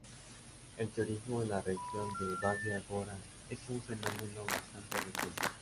El turismo en la región de Babia Gora es un fenómeno bastante reciente.